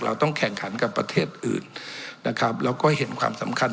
เราต้องแข่งขันกับประเทศอื่นนะครับแล้วก็เห็นความสำคัญ